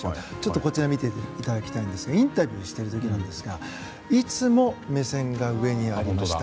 こちら見ていただきたいんですがインタビューしている時ですがいつも、目線が上にありました。